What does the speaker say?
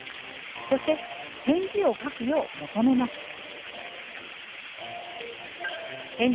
そして、返事を書くよう求めます。